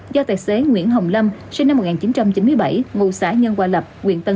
do tài xế nguyễn hồng lâm sinh năm một nghìn chín trăm chín mươi bảy ngụ xã nhân hòa lập huyện tân